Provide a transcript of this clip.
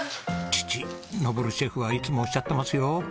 父登シェフはいつもおっしゃってますよ。